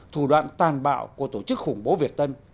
thủ đoạn tàn bạo của tổ chức khủng bố việt tân